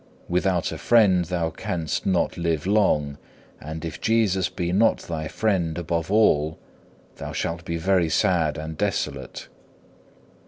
Without a friend thou canst not live long, and if Jesus be not thy friend above all thou shalt be very sad and desolate.